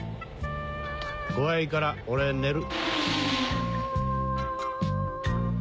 怖いから俺寝る。